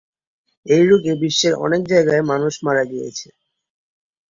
এই রোগে বিশ্বের অনেক জায়গায় মানুষ মারা গিয়েছে।